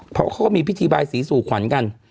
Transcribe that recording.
เพราะเขาก็มีพิธีบายสีสู่ขวัญกัน